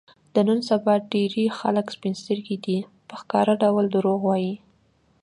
د نن سبا ډېری خلک سپین سترګي دي، په ښکاره ډول دروغ وايي.